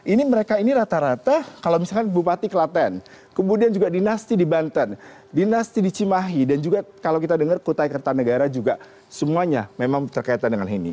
ini mereka ini rata rata kalau misalkan bupati klaten kemudian juga dinasti di banten dinasti di cimahi dan juga kalau kita dengar kutai kertanegara juga semuanya memang terkaitan dengan ini